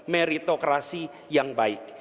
meritokrasi yang baik